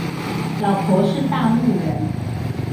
老婆是大陸人